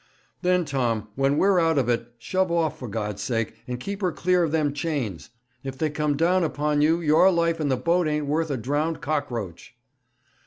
'Then, Tom, when we're out of it, shove off for God's sake, and keep her clear of them chains. If they come down upon you, your life and the boat ain't worth a drowned cockroach.'